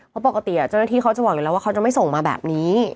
เพราะปกติเจ้าหน้าที่เขาจะบอกอยู่แล้วว่าเขาจะไม่ส่งมาแบบนี้